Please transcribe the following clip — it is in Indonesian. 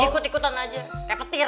ikut ikutan aja kayak petir